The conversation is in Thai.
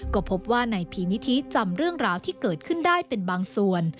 ก็พบว่านายพีนิธิจำเรื่องราวที่เกิดขึ้นได้เป็นบางส่วน